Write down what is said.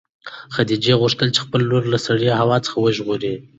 خدیجې غوښتل چې خپله لور له سړې هوا څخه وژغوري.